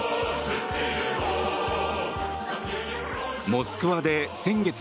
モスクワで先月３０